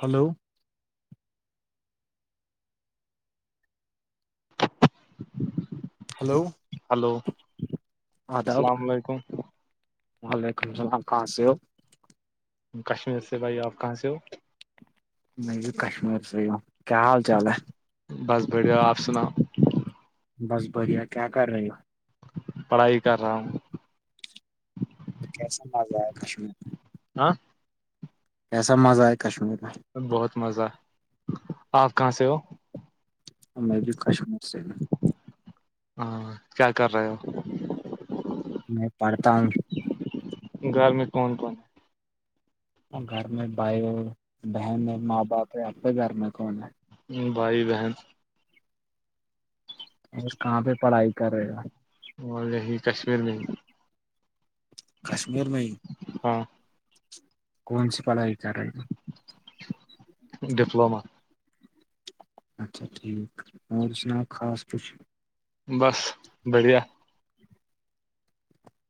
Hello ہ hello hello آداب السلام علیکم وعلیکم السلام کہاں سے ہو؟ کشمیر سے بھائی آپ کہاں سے ہو میں جو کشمیر سےوں کیا حال چال ہے بس بڑھیا آپ سنا بس بڑھیا کیا کر رہے ہو پڑھائی کر رہا ہوں تو کیسا مزہ آیا کشمیر میں ہاں کیسا مزہ ہے کشمیر میں بہت مزہ آپ کہاں سے ہو میں بھی کشمیر سے ہوں ہاں کیا کر رہے ہو میں پڑھتا ہوں گھر میں کون کون ہے وہ گھر میں بائی ہو بہن ہے ماں باپ ہے ا جھرم کو ہے؟ بھائی بہن س کہاں پہ پڑھائی کر رہے ہو اور یہی کشمیر میں ہی کشمیر میں ہی ہاں کون سی پڑائی ڈپلوما اچھا ٹھیک اور سنا خاص کچھ بس بڑیا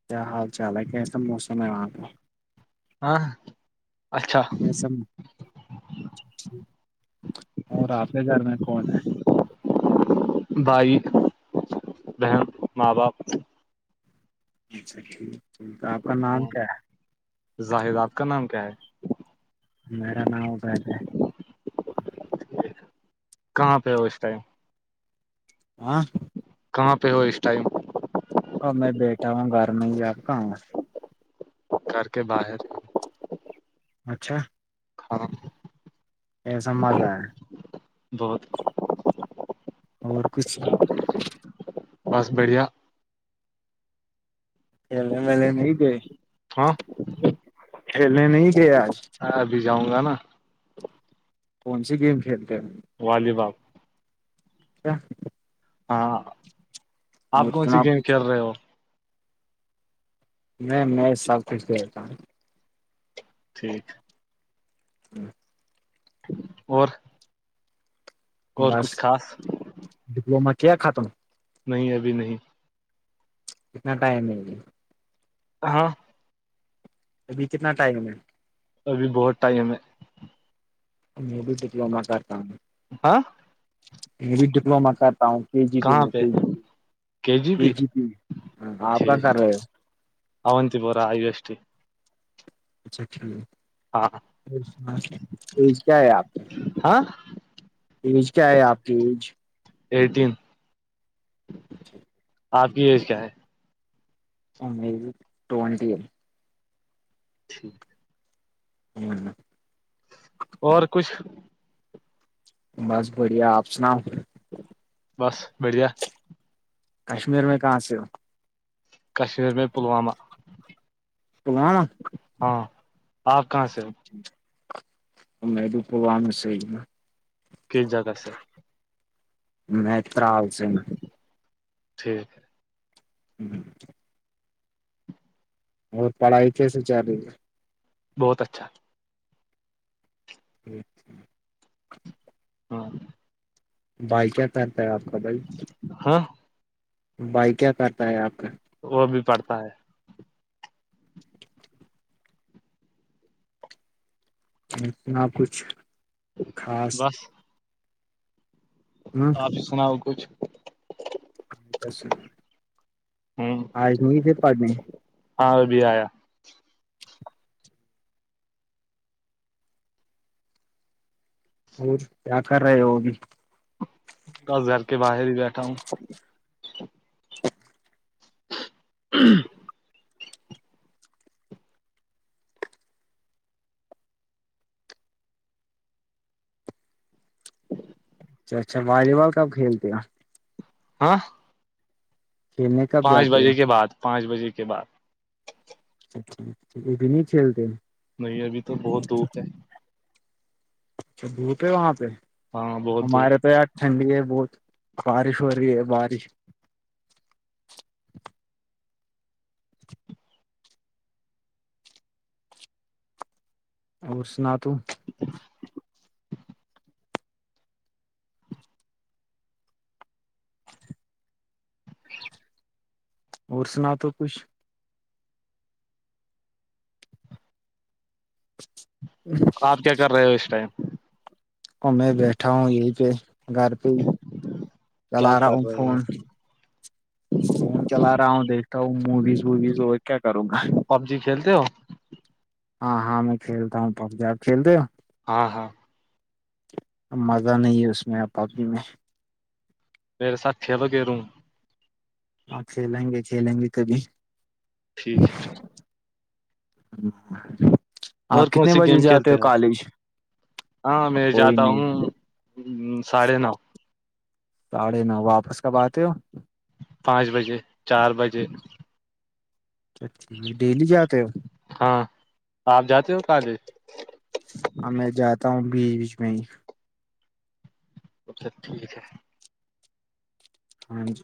کیا حال چال ہے کیسا موسم ہے وہاں پہ ہاں اچھا ایسب اور آپنے گھر میں کون ہے بھائی بہن ماں باپ اچھا ج تو آپ کا نام ہاں کیا ہے زاہد آپکا نام کیا ہے میرا نام عبید ہے ہے کہاں پہ ہو اس ٹائم آاں [unintelligible] کہاں پہ ہو اس ٹائم اور میں بیٹا ہوں گھر میں ہی آپ کہاں گھر کے باہر اچھا کھاراب [unintelligible] ایسا مزہ ہے بہت اور کچھ بس بڑھیا کھیلنے والے نہیں گئے ہاں کھیلنے نہیں گئے آج ابھی جاؤں گا نا کون سی گیم کھیلتے ہیں والی بالل کیا ہاں آپ کون سی منا گیم کچھ کھیل رہے ہو نہیں میں سب کچھ کھیلتا ہو ٹھیک ہوں اور اور کچھ خاص کی ختم نہیں ابھی نہیں کتنا ٹائم ہے یہ ہاں ابھی کتنا ٹائم ہے ابھی بہت ٹائم ہے میں بھی ڈپلوما کرتا ہوں ہاں یہ بھی ڈپلما کر تا جی پی کہاں میں پہ جی پی آپ کہاں ٹھیک کر رہے ہو جی اچھا اچھا اچھا یہ کیا ہے آپ ہاں ایج کیا ہے آپ کی ایج ایٹین ٹھیک آپ کی ایج کیا ہے امی ٹوونٹیم ٹھیک ہوں اور کچھ بس بڑھیا آپ سناؤ بس بڑیا کشمیر میں کہاں سے ہو کشمیر میں پلوامہ پلوامہ ہاں آپ کہاں سے [inaudible] جگہ سے میں طال سے ہے نا ٹھیک ہے [inaudible] اور پڑھائی کیسے رہی ہے بہت اچھا اچھ ہاں بھائی کیا کرتا ہے آپ کا بھائی ہ بھائی کیا کرتا ہے آپ کا وہ بھی پڑتا ہے نا کچھ خاص بس آپ سناؤ کچھ س ہ آج نہیںی پھر پڑھنے ہاں ابھی آیا اور کیا کرار رہ ہے ہوگ بس گھر کے باہر ہی بیٹھا ہوں ہ اچھا اچھا والی بال کب کھیلتے ہو ہاں کھیلنے کب پانچ جاتے بجے ہو کے بعد پانچ بجے کے بعد اچھاھ ا بھی نہیں چھیتے ہیں نہیں ابھی تو بہت دھوپ ہے اچھا دھوپ ہے وہاں پہ ہاں بہت ہمارے دھوپ تو یار ٹھنڈی ہے بہت بارش ہو رہی ہے باریش اور سنا توں السلام علیکم محترم بھائی جان آپ کو بھی مبارک اور سنا تو کچھ آپ کیا کر رہے ہو اس ٹائم اور میں بیٹھا ہوں یہیں پہ گھر پہ ہی کیا چلا رہا کر ہوں رہے فون ہو فون چلا رہا ہوں دیکھتا ہوں موویز ووویز اور کیا کروں گا آپ پب جی کھیلتے ہو ہاں ہاں میں کھیلتا ہوں پب ج آپ کھیلتے ہو ہاں ہاں اب مزہ نہیں ہے اس میں اب پبنی میں پیر ساتھی تو گ روں آپ کھیلیں گے کھیلیں گے کبھی ٹھیک ہے سر ہ آپ اور کون کتنے سی بجے گیم جاتے کھیلتے ہو کالج کوئی نہیں ہ ساھے نو ساڑھے نو واپس کب آتے ہو پانچ بجے چار بجے ٹھیک ڈیلی جاتے ہو ہاں آپ جاتے ہو کالے ہ میں جاتا ہوں بیچ بیچ میں ہی اچھا ٹھیک ہے ہاں س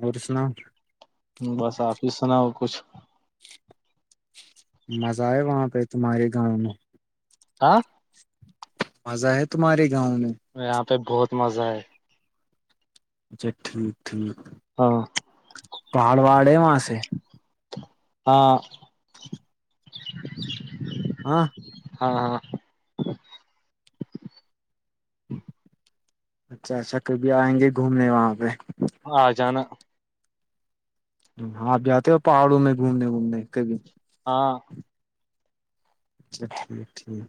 اور سناؤ بس آپ ہیس سناؤ کچھ مزہ ہے وہاں پہ تمہارے گاؤں میں آ مزہ ہے تمہارے جاننے ات بہت مزہ آئے اچھا ٹھیک ہے ہاں پہاڑ ہے وہاں سے ہاں ہاں ہاں ہاں اچھا اچھا کبھی آئیں گے گھومنے وہاں پہ آ جانا آپ جاتے ہو پہاڑوں میں گھومنے وومنے کبھی ہاں اچھا ٹھیک ٹھیک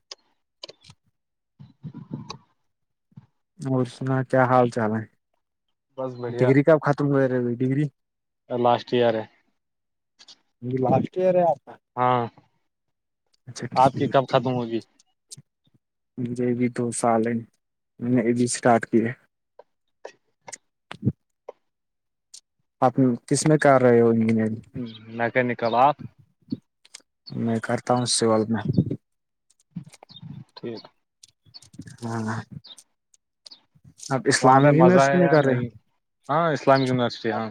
اور سنا کیا حال چال ہے بس بڑھیا ڈگری کا خاتم ہو ا ڈگری لاسٹ ایئر ہے لاسٹ ایئر ہے آ ہاں اچھاٹیک آپ کی کب ختم ہوگی مے بھی دو سال ہیں میں نے یہ بھی اسٹارٹ کیا آپ کس میں کار میں کہ نکل آپ میں کرتا ہوں سول میں ٹھیک ہاں آپ وہاں اسلام پہ مزہ یورسٹی ہے میں یا کرا رہے ہیں نہیں ہاں اسلامم یونیورسٹی ہاں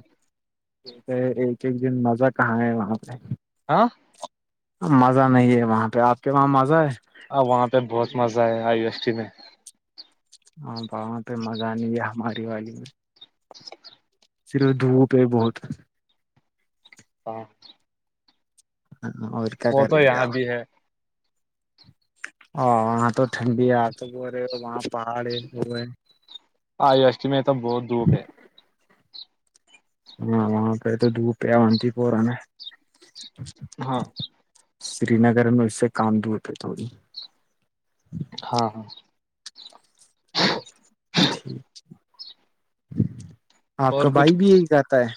یہ ہے ایک ایک دن مزہ کہاں ہے وہاں پہ ہاں مزہ نہیں ہے وہاں پہ آپ کے وہاں مزہ ہے اب وہاں پہ بہت مزہ آ ہے آئیو ایس ٹی میں ہاں وہاں پہ مزہ نہیں ہے ہماری دیوالی میں [unintelligible] صرف دھوپ ہے بہت ہاں اور وہ تو یہاں بھی ہے ا وہاں تو ٹھنڈی آ تو ب رہے وہاں پہاڑ ہے وہ ہے آئیو اشٹم تو بہت دھوپ ہے ہاں وہاں پہ تو دھوپ ہے وانتی پور ن ہاں سری نگر میں اس سے کام دور تھ ہے تھوڑی ہاں ہاں ٹھیک ٹھ آپ کا اور بھائی بھی یہی رہاتتا ہے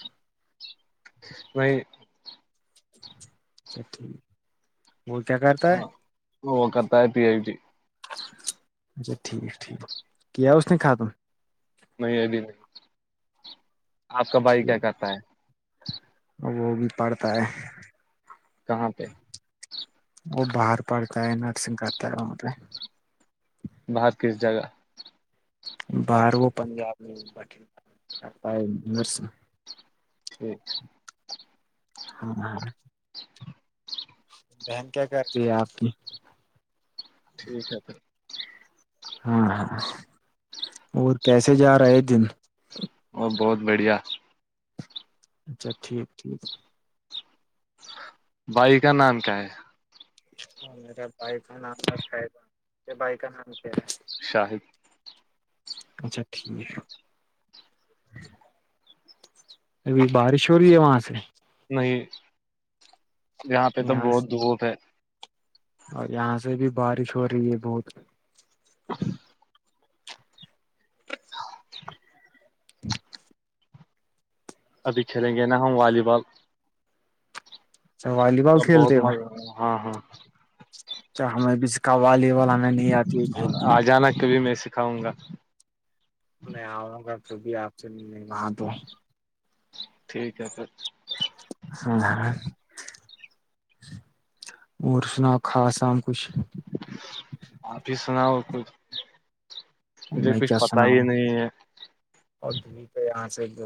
میںائی اچھا ٹھیک ہے وہ کیا کرتا ہے او کتار پ آئی ج اچھا ٹھیک ٹھیک کیا اس ن ختم نہیں اب نہیں آپ کا بھائی کیا ٹھیک کرتا ہے وہ بھی پڑھتا ہے کہاں پہ وہ باہر پڑھتا ہے نرسنگ کرتا ہے وہاں پہ بت کس جگہ؟ باہر وہ پنجاب میں بٹتا ہے ٹھیک ہاں ہاں بہن کیا کرتی ہے آپ کی ٹھیک ہے پھر ہاں ہاں اور کیسے جا رہے دن اور بہت بڑھیا اچھا ٹھیک ٹھیک بائی کا نام کیا ہے ہاں میرا بائ کا نام بائی کا نام کیا ہے شاہد اچھا ٹھیک ابھی بارش ہو رہی ہے وہاں سے نہیں یہاں پہ تو بہت دھوپ ہے اور یہاں سے بھی بارش ہو رہی ہے بہت ھم ہ ابھی کھیلیں گے نا ہم والی بال اچھا والی بال سب بہت کھیلتے مزہ ہاں ہاں چاہ ہم میں بھی قوالی وال ہمیں نہیں آتی ہے گھر میں کاؤں گا نہیں آ کا چ بھی آس نہیں ہ تو ٹھیک ہے پھر اور سنا خاصا آپ ہی سناؤ ک مجھے میں کچھ کیا پت سناؤں ہی نہیں ہے اور د پہ یہاں سے د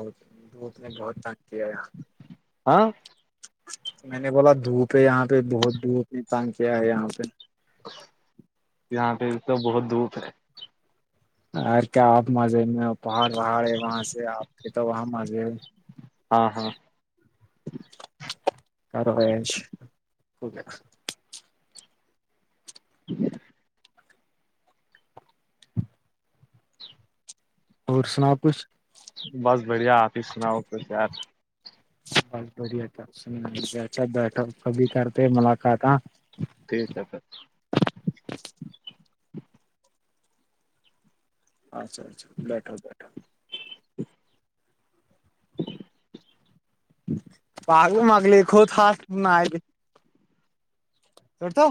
دھپ میں بہت تگ کیا ہاں میں نے بولا دھوپ ہے یہاں پہ بہت دھوپ یہ تان کیا ہے یہاں پہ پ تو بہت دھوپ ہے اورر کیا آپ مزے میں پہاڑ پہاڑ ہے وہاں سے آپ کے تو وہاں مز ج ہاں ہاں سرو ہے کیا ٹھ اور سنا کچھ بس بڑھیا آپ ہی سناؤ پ یار بس بڑھیا تھا بیھا بیٹھا سبھی کرتے ملاقات ہاں تی س ہے س اچھا اچھا بیٹھو بیٹھو پگو مگلی خوود خاص بج کرڑ تو